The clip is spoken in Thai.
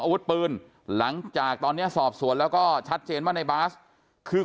อาวุธปืนหลังจากตอนนี้สอบสวนแล้วก็ชัดเจนว่าในบาสคือ